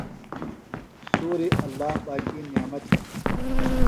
سُوری اللّٰہ پاکی نعمت ہِنیۡ۔